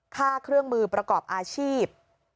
ค่าเครื่องมือประกอบอาชีพ